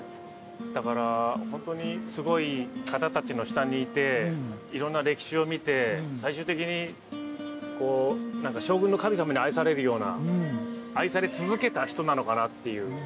だから本当にすごい方たちの下にいていろんな歴史を見て最終的にこう何か将軍の神様に愛されるような愛され続けた人なのかなっていう。